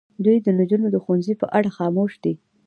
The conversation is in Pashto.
دوی د نجونو د ښوونځي په اړه خاموش دي.